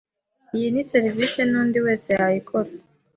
Iyo ni serivisi n’undi wese yayikora,